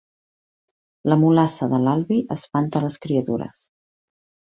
La mulassa de l'Albi espanta les criatures